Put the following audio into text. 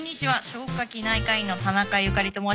消化器内科医の田中由佳里と申します。